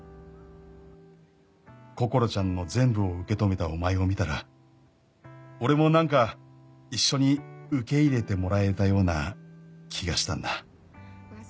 「こころちゃんの全部を受け止めたお前を見たら俺もなんか一緒に受け入れてもらえたような気がしたんだ」